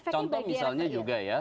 contoh misalnya juga ya